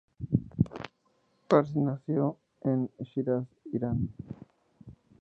Parsi nació en Shiraz, Irán.